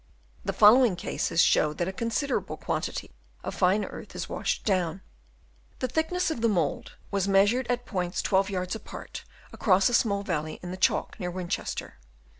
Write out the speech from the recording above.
The following cases show that a consider able quantity of fine earth is washed down. The thickness of the mould was measured at points 12 yards apart across a small valley in the Chalk near Winchester.